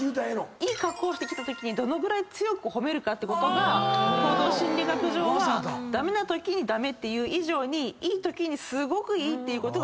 いい格好をしてきたときにどのぐらい強く褒めるかってことが行動心理学上は駄目なときに駄目って言う以上にいいときにすごくいいって言うことがすごく大事なんです。